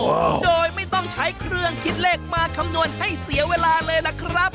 โอ้โหโดยไม่ต้องใช้เครื่องคิดเลขมาคำนวณให้เสียเวลาเลยล่ะครับ